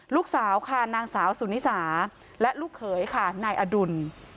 ลูกสาวค่ะนางสาวสุนิสาและลูกเขยค่ะนายอดุล